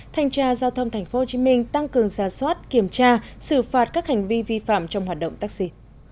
thanh tra giao thông tp hcm tăng cường gia soát kiểm tra xử phạt các hành vi vi phạm trong hoạt động taxi